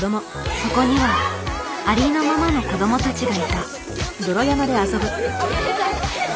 そこには「ありのまま」の子どもたちがいた。